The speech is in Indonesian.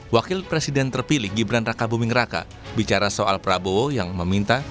wakil presiden terpilih gibran rako bumingraka bicara soal prabowo yang meminta